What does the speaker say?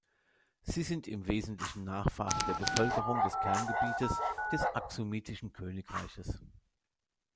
Sie sind im Wesentlichen Nachfahren der Bevölkerung des Kerngebietes des aksumitischen Königreiches.